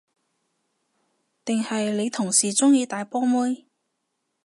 定係你同事鍾意大波妹？